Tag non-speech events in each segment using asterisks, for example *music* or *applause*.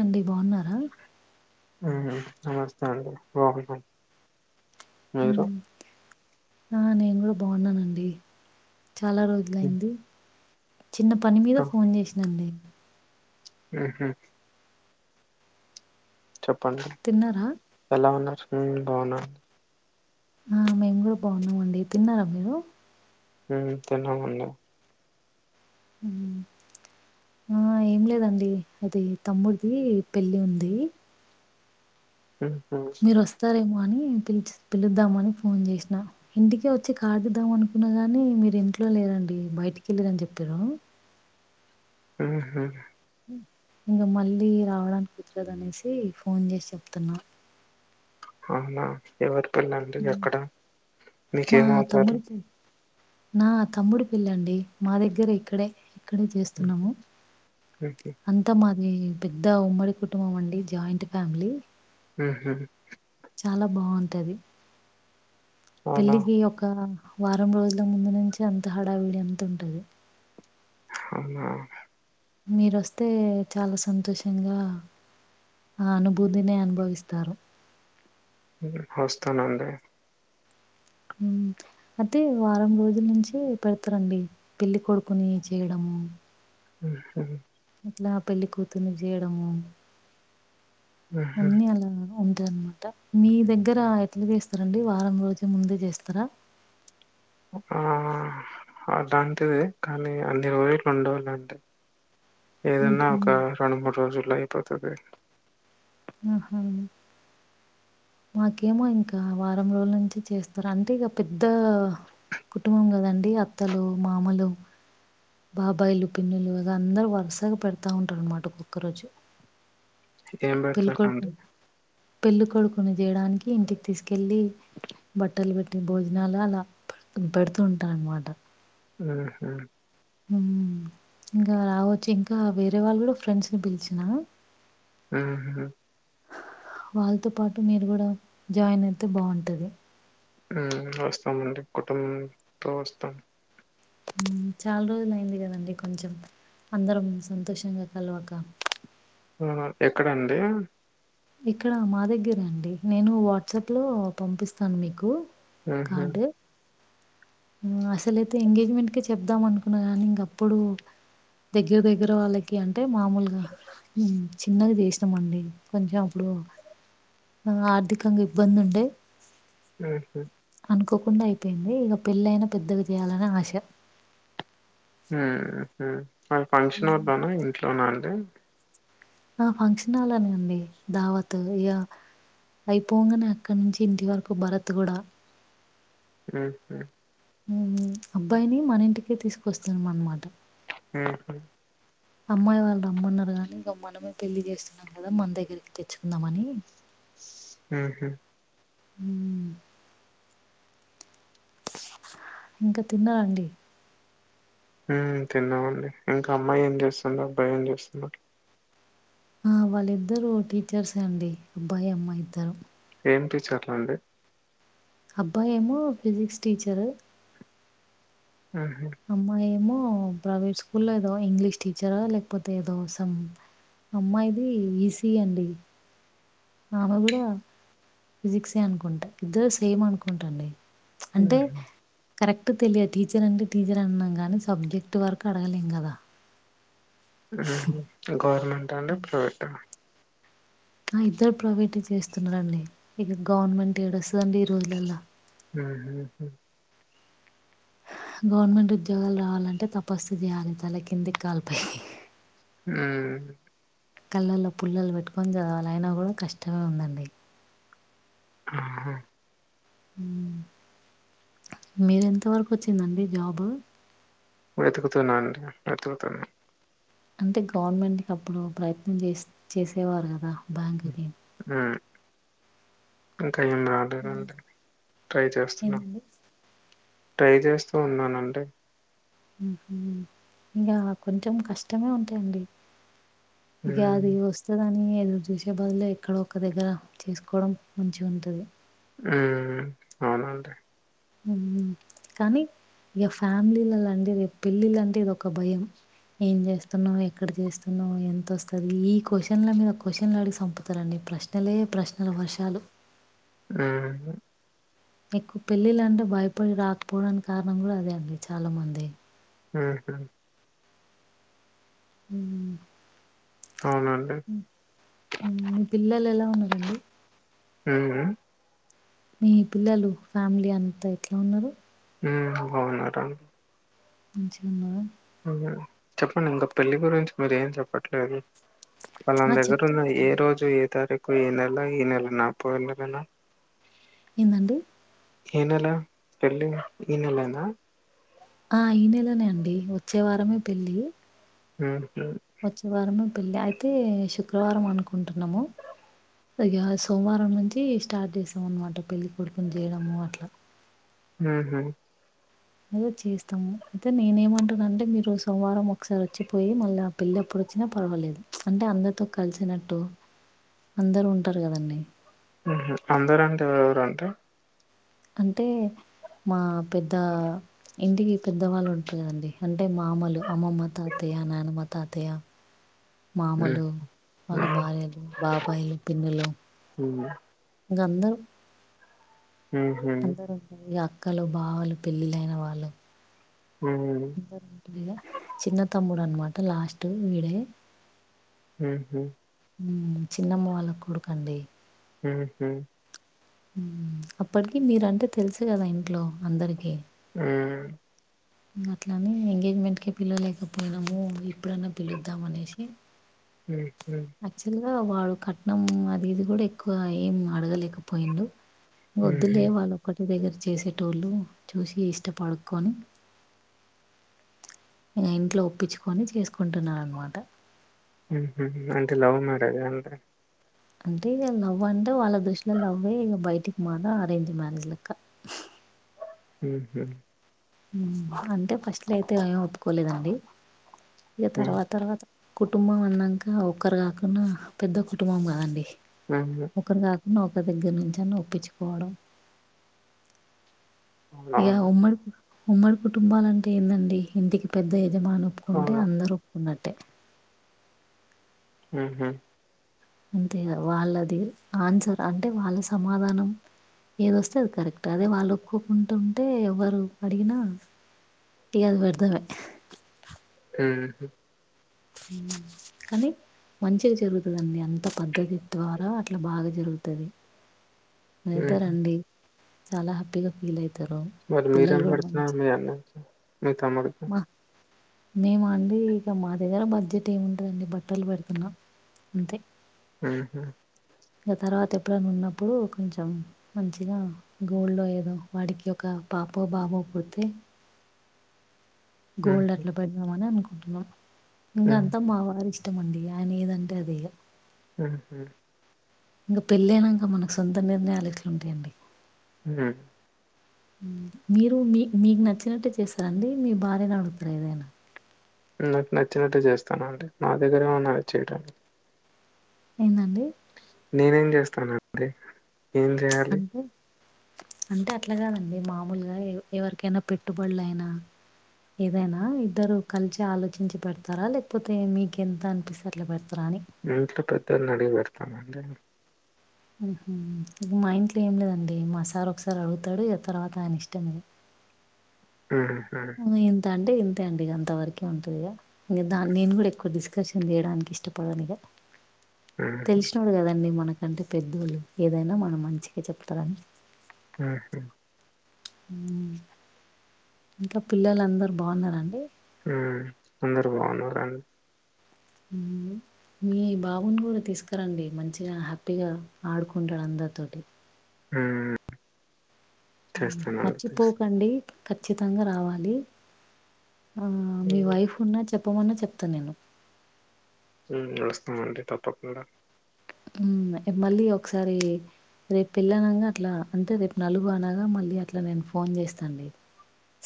అండి బాగున్నారా నమస్తే అండి స్వాగతం ఆ నేను కూడా బాగున్నానండి చాలా రోజుల ఇంకా అయింది చిన్న పని మీద ఫోన్ చేసినండి ఆహ చెప్పండి తిన్నారా ఎలా ఉన్నావ్ ఉమ్ బావున్నా ఆ మేము కూడా బాగున్నా మండి తిన్నారా మీరు ఉం తిన్నమండి ఉ ఆ ఏం లేదండి అది తమ్ముడిది పెళ్ళి ఉంది ఆహా సరేమో అని పిలిచ పిలుద్దామని ఫోన్ చేసినా ఇంటికే వచ్చి కార్డు ఇద్దామనుకున్న గాని మీరు ఇంట్లో లేరండి బయటికి వెళ్ళరని చెప్పిరు ఆహ ఇంగా మళ్ళీ రావడానికి కుదరదు అనేసి ఫోన్ చేశి చెప్తున్నా. అవునా. ఎవరి పెళ్ళండి? ఎక్కడ? మా మీకేమవుతారు? తమ్ముడి పె నా తమ్ముడు పెళ్ళండి. మా దగ్గరే ఇక్కడే ఇక్కడే చేస్తున్నాము. అంతా మాది పెద్ద ఉమ్మడి కుటుంబం అండి, జాయింట్ ఫ్యామిలీ. అహా చాలా బావుంటది, అవునా పెళ్ళికి ఒక వారం రోజుల ముందు నుంచే అంత హడావిడి అంత ఉంటది. అవునా. మీరొస్తే చాలా సంతోషంగా ఆ అనుభూతినే అనుభవిస్తారు. హ్ వస్తానండి. హ్మ్ అయితే వారం రోజుల నుంచే పెడతరండి పెళ్లి కొడుకుని చేయడము. ఉహ్. అట్లా పెళ్లి కూతుర్ని చేయడము. ఊహు అన్నీ అలా ఉంటదన్మాట. మీ దగ్గర ఎట్ల చేస్తరండి, వారం రోజుల ముందే చేస్తరా. ఆ అలాంటిదే కానీ అన్ని రోజులు ఉండవు లేండి. ఏదన్నా హుహు. ఒక రెండు మూడు రోజుల్లో అయిపోతది. ఆహ మాకేమో ఇంకా వారం రోజుల నుంచి చేస్తరు అంటే ఇగ పెద్దా కుటుంబం కదండి అత్తలు, మామలు బాబాయిలు, పిన్నులు ఇగ అందరు వరుసగా పెడతా ఉంటారు అనమాట ఒక్కొక్క రోజు. ఏం పెళ్ళికొడుకు పెడతారండి పెళ్ళికొడుకు కుని చేయడానికి ఇంటికి తీసుకెళ్ళి బట్టలు పెట్టి భోజనాలు అలా పె పెడుతు ఉంటారు అన్మాట. ఆహ్ ఇంకా రావచ్చు ఇంకా వేరే వాళ్ళు కూడా ఫ్రెండ్స్ని పిలిచిన. ఉహ్ వాళ్ళతో పాటు మీరు కూడా జాయిన్ అయితే బావుంటది. వస్తామండి, కుటుంబంతో వస్తాం. చాలా రోజులు అయింది కదండి కొంచెం అందరం సంతోషంగా కలువక. ఆ ఎక్కడండి? ఇక్కడ మా దగ్గర అండి. నేను వాట్సాప్లో పంపిస్తాను మీకు. ఆహా. అసలయితే ఎంగేజ్మెంట్కే చెప్దాం అనుకున్నా కానీ ఇంగ అప్పుడు దగ్గర దగ్గర వాళ్ళ కి అంటే మామూలుగా చిన్నగా చేసినం అండి, కొంచెం అప్పుడు ఆ ఆర్థికంగా ఇబ్బంది ఉండే ఆహా. అనుకోకుండా అయిపోయింది, ఇగ పెళ్ళి అయినా పెద్దగ చేయాలని ఆశ. మరి ఫంక్షన్ హాల్లోనా, ఇంట్లోనా అండి. ఆ ఫంక్షన్ హాల్లోనే అండి దావత్ ఇగ. అయిపోంగనే అక్కడి నుంచి ఇంటి వరకు భరత్ కూడా. ఉహ్ అబ్బాయిని మన ఇంటికె తీసుకొస్తున్నాం అన్మాట. ఆ హు అమ్మాయి వాళ్లు రమ్మన్నారు కానీ ఇంకా మనమే పెళ్లి చేస్తాం కదా మన దగ్గరికి తెచ్చుకుందాంమని ఆ హ ఉ ఇంకా తిన్నా అండి హ్మ్మ్ తిన్నామండి ఇంకా అమ్మాయి ఏం చేస్తుంది అబ్బాయి ఏం చేస్తున్నాడు ఆ వాళ్ళిద్దరు టీచర్స్ అండి అబ్బాయి అమ్మాయి ఇద్దారు ఏం టీచర్లు అండి అబ్బాయి ఏమో ఫిజిక్స్ టీచరు ఆహ అమ్మా ఏమో ప్రైవేట్ స్కూల్లో ఏదో ఇంగ్లీష్ టీచరా లేకపోతే ఏదో సం అమ్మాయిది ఈ సి అండి ఆమె కూడా ఫిజిక్సే అనుకుంటా ఇద్దరు సేమ్ అనుకుంటా అండి అంటే హుహు. కరెక్ట్ తెలియ టీచర్ అంటే టీచర్ అన్నాం కానీ సబ్జెక్ట్ వరకు అడగలేం కదా ఆహా గవర్నమెంట్ అండి ప్రైవేట ఇద్దరు ప్రైవేట్ చేస్తున్నారండి ఇక గవర్నమెంట్ ఏడు వస్తుందండి ఈ రోజల్లో ఆహా హు గవర్నమెంట్ ఉద్యోగాలు రావాలంటే తపస్సు చేయాలి తల కిందికి కాలపై హ్మ్మ్ కళ్ళల్లో పుల్లలు పెట్టుకొని చదవాల అయినా కూడా కష్టంమే ఉందండి ఆహా మీరెంత వరకు వచ్చిందండి జాబు వెతుకుతున్నా అండి వెతుకుతున్నా అంటే గవర్నమెంట్ కి అప్పుడు ప్రయత్నం చేసి చేసేవారు కదా బ్యాంకుకి హా అంతే నేము హ్మ్. అడగండి ట్రై చేస్తున్నాం ఏందండి? ట్రై చేస్తూ ఉన్నానండి ఆహా ఇంకా కొంచం కష్టమే ఉందండి హ్మ్. గ్యాది కోస్ ఎక్కడా అని ఎదురు చూసే బదులు ఎక్కడ ఒక్క దగ్గర తిసుకోవడం మంచిగా ఉంటాది ఉ అవునండి ఉ కానీ ఏ ఫ్యామిలీలలా అంటే ర పెళ్ళిళ అంటే ఇదొ ఒక భయం ఏం చేస్తున్నావు ఎక్కడ చేస్తున్నావు ఎంత వస్తుంది ఈ క్వశ్చన్ల మీద క్వశ్చన్లో అడిగి చంపుతారండి ప్రశ్న ఇల్లే ప్రశ్నలు వర్షాలు హ్మ్మ్ ఎక్కువ పెళ్ళిళ్ళ అంటే భయపడి రాకపోవడానికి కారణం కూడా అదే అండి చాలా మంది ఉహు ఉ అవున హు మీ పిల్లలు ఎలా ఉన్నారండి ఉహు మీ పిల్లలు ఫ్యామిలీ అంతా ఎట్లా ఉన్నారు ఉ అవును మేడమ్ ఇచ్చున్న చెప్పండి ఇంకా పెళ్లి గురించి మీరు ఏం చెప్పట్లేదు వాళ్ళన ఆ! దగ్గర ఉన్న చెప్తున్నాను. ఏ రోజు ఏ తారీకు ఏ నెల ఈ నెల నా పోయిన నెలలా ఏమండీ ఏ నెల పెళ్లి ఈ నెలేనా ఆ ఈ నెలనే అండి వచ్చేవారం ఏ పెళ్లి హ్మ్ వచ్చే వారము పెళ్ళి అయితే శుక్రవారం అనుకుంటున్నాము ఇలగ సోమవారం నుంచి స్టార్ట్ చేసామన్నమాట పెళ్ళికొడుకుని చేయడము అట్లా ఉ హు అద చేస్తాము అయితే నేనే ఏమంటాన అంటే మీరు సోమవారం ఒకసారి వచ్చిపోయి మళ్ళీ పెళ్ళ అప్పుడు వచ్చినా పర్వాలేదు అంటే అందరితో కలిసినట్టు అందరు ఉంటారు కదండి అందరు అంటే ఎవరెవరు ఆంటీ అంటే మా పెద్ద ఇంటికి పెద్దవాళ్ళు ఉంటారు కదండి అంటే మామలు అమ్మమ్మ తాతయ్య నాన్నమ్మ తాతయ్య హ్మ్. మామలు వాళ్ళ భార్యలు బాబాయిలు పిన్నలు హ్మ్. ఇంక అందరం హుహు. అందరు అక్కలు బావలు పెళ్ళిళైన వాళ్ళు హ్మ్ చిన్న తమ్ముడు అనమాట లాస్ట్ వీడే హ్మ్ హ్మ్ చిన్నమ్మ వాళ్ళ కొడుకు అండి ఊ హ్మ్ అప్పటికి మీరు అంటే తెలుసు కదా ఇంట్లో అందరికి హ్మ్ అట్లాని ఎంగేజ్మెంట్ క పిల్లలేకపోయినాము ఇప్పుడైనా పిలుద్దాం అనేసి ఉ హ్మ్ యాక్చువల్గా వాడు కట్నం అది ఇది కూడా ఎక్కువ ఏం అడగలేకపోయిడు వద్దులే హుహు. వాళ్ళొక్కటి దగ్గర చేసేటోళ్ళు చూసి ఇష్టపడుకొని ఇ ఇంట్లో ఒప్పించుకొని చేసుకుంటున్నారనమాట అంటే లవ్ మ్యారేజ్ ఆ అండి అంటే ఇక లవ్ అంటే వాళ్ళ దృష్టిలో లవ్ ఇక బయటికి మాదాం అరేంజ్ మ్యారేజ్ లెక్క హహు అంటే ఫస్ట్ అయితే ఏం ఒప్పుకోలేదండి ఇక తర్వాత తర్వాత కుటుంబం అన్నాక ఒక్కరు కాకుండా పెద్ద కుటుంబం కదండి హ్మ్ ఒకరు కాకుండా ఒకరి దగ్గర నుంచి అన్న ఒప్పించుకోవడం ఇక అవునవును. ఉమ్మడి ఉమ్మడి కుటుంబాల అంటే ఏందండి ఇంటికి పెద్ద యజమా న ఒప్పుకుంటే అవును అందరూ ఒప్పుకున్నట్టే హహు అంతే వాళ్ళది ఆన్సర్ అంటే వాళ్ళ సమాధానం ఏదొస్తే అది కరెక్ట్ అదే వాళ్ళు ఒపుకోకుంటుంటే ఎవ్వరు అడిగినా టీ అది పెడతావే హ్మ్ కానీ మంచిగా జరుగుతదండి అంత పద్ధతి ద్వారా అట్లా బాగా జరుగుతది ఉహు అయితరండి చాలా హ్యాపీగా ఫీల్ అయిత మరి మీరేం పెడుతున్నారు మీ అన్న కి మీ తమ్ముడు మేము అండి ఇక మా దగ్గర బడ్జెట్ ఏముంటదండి బట్టలు పెడుతున్నా అంతే ఉహు ఇగ తర్వాత ఎప్పుడైనా ఉన్నప్పుడు కొంచెం మంచిగా గోల్డ్ ఏదో వాడికి ఒక పాపో బాబో పుడితే గోల్డ్ ఉహు అట్లా పెడదామ అని అనుకుంటున్నా ఇగ అంత ఉహు మా వారి ఇ ష్టం అండి ఆయన ఏదంటే అదే ఆహా ఇంకా పెళ్ళయ్యినంకా మనకు సొంత నిర్ణయాలు ఎట్ల ఉంటాయండి ఉహు మీరు మీ మీకు నచ్చినట్టే చేస్తారండి మీ భార్యని అడుగుతర ఏదైనా నాకు నచ్చినట్టు చేస్తాను అండి నా దగ్గర ఏమన్నది చేయడానికి ఏందండి నేనేం చేస్తానండి ఏం చెయ్య అంటే అంటే అట్లాగాదండి మామూలుగా ఎవరికైనా పెట్టుబళ్లు అయినా ఏదైనా ఇద్దరు కలిసి ఆలోచించి పెడతారా లేకపోతే మీకెంత అనిపిస్తే అట్లా పెడతారా అని మా ఇంట్లో పెద్దొడిని అడిగి పెడతాను అండి ఉహు మా ఇంట్లో ఏం లేదండి మా సార్ ఒకసారి అడుగుతాడు తర్వాత ఆయనే ఇష్టం ఇగా ఉహు ఇంతే అంటే ఇంతే అండి ఇగ అంతవరకే ఉంటది ఇగా ఇగ దాన్ని నేను కూడా ఎక్కువ డిస్కర్షన్ చేయడానికి ఇష్టపడను ఇగా ఉహు తెల్సినోడు కదండి మనకంటే పెద్దోళ్ళు ఏదైనా మన మంచికే చెప్తారని ఉహు ఇంకా పిల్లలు అందరు బాగున్నారండి ఉమ్ అందరూ బాగున్నారండి హు మీ బాబుని కూడా తీసుకరండి మంచిగా హ్యాపీగా ఆడుకుంటాడు అందరితోటి ఉ చేస్తానండి మర్చిపోకండి ఖచ్చితంగా రావాలి ఆ మీ చేస్తా వైఫ్ ఉన్నా చెప్పమన్నా చెప్తా నేను వస్తామండి తప్పకుండా ఉ మళ్ళీ ఒకసారి రేపు పెళ్ళి ఆనంగా అట్లా అంటే రేపు నలుగు అనగా మళ్ళీ అట్లా నేను ఫోన్ చేస్తా అండి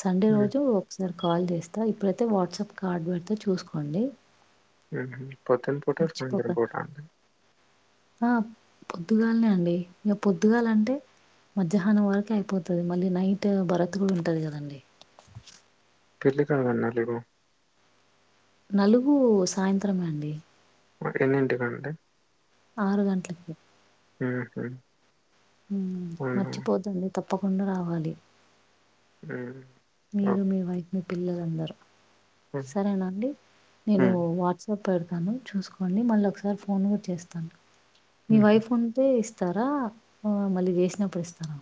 సండే ఉమ్, రోజు ఒకసారి కాల్ చేస్తా ఇప్పుడైతే వాట్సాప్ కార్డ్ పెడుతా చూసుకోండి ఉహు పొద్దున పూట సాయంత్రం మర్చిపోకండి. పూట అండి ఆ పొద్దుగాల్నే అండి ఇగ పొద్దుగాలంటే మధ్యాహ్నం వరకు అయిపోతది మళ్ళీ నైట్ భరత్ కూడా ఉంటది కదండి పెళ్లి కార్డ్ *unintelligible* నలుగు సాయంత్రమే అండి ఎన్నింటికంటే ఆరుగంట్లకి ఉహు ఉమ్ మచ్చిపోతుంది తప్పకుండా రావాలి ఉ మీరు మీ వైఫ్ మీ పిల్లలందరూ సరేనండి నేను వాట్స పెడ్తాను చూస్కోండి మళ్ళ ఒకసారి ఫోన్ గూ చేస్తాను మీ వైఫ్ అదే ఇస్తారా ఆ మళ్ళీ వేస్నప్పుడు ఇస్తాను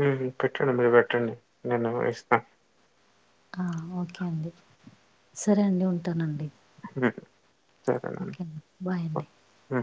ఉ పెట్టండి మీరు వెట్టండి నేను నంబర్ ఇస్తా ఆ ఓకే అంది సరే అండి ఉంటానండి ఉమ్, సరేనండి ఓకే బాయ్ అండి ఓకే. ఉమ్.